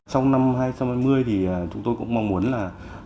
trong năm hai nghìn hai mươi thì chúng tôi cũng mong muốn là